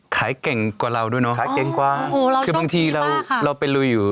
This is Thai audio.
เก่งกว่าเราด้วยเนาะขายเก่งกว่าโอ้โหเราคือบางทีเราเราไปลุยอยู่